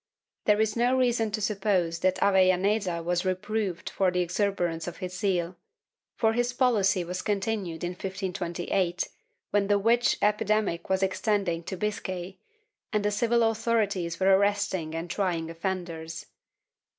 There is no reason to suppose that Avellaneda was reproved for the exuberance of his zeal, for his policy was continued in 1528, when the witch epidemic was extending to Biscay, and the civil authorities were arresting and trying offenders.